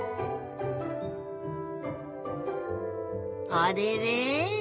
あれれ？